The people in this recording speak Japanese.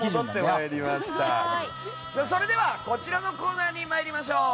それではこちらのコーナーに参りましょう。